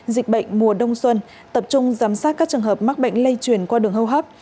dịch bệnh mùa đông xuân tập trung giám sát các trường hợp mắc bệnh lây chuyển qua đường hô hấp